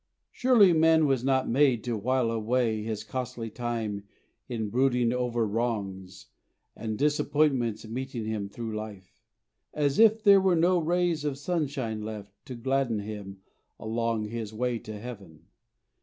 Surely man was not made to while away His costly time in brooding over wrongs And disappointments meeting him through life, As if there were no rays of sunshine left To gladden him along his way to Heaven.